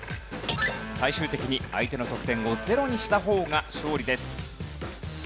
最終的に相手の得点をゼロにした方が勝利です。